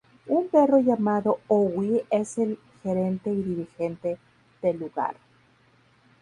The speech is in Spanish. Un perro llamado Howie es el gerente y dirigente del lugar.